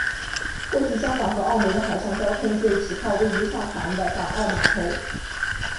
过去香港和澳门的海上交通就只靠位于上环的港澳码头。